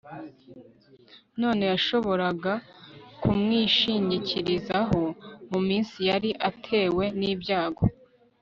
noneho yashoboraga kumwishingikirizaho mu munsi yari atewe nibyago